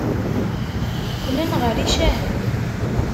Qqlen ɣer yicahen.